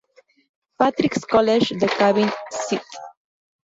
Patrick's College de Cavan, St.